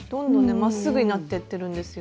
まっすぐになってってるんですよ。